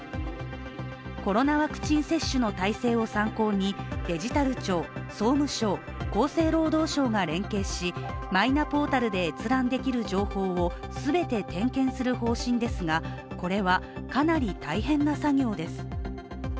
コロナワクチン接種の体制を参考にデジタル庁、総務省、厚生労働省が連携しマイナポータルで閲覧できる情報を全て点検する方針ですがこれはかなり大変な作業です。